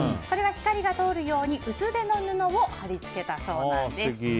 これは光が通るように薄手の布を張り付けたそうです。